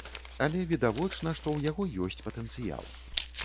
Але відавочна, што ў яго ёсць патэнцыял.